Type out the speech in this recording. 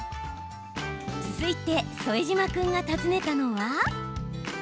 続いて、副島君が訪ねたのは。